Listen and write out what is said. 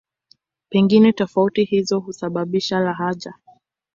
Pengine tofauti hizo husababisha lahaja.